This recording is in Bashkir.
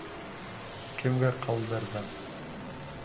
Кемгә ҡалдырҙың?